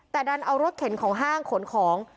แต่ดันเอารถเข็นของห้างขนของ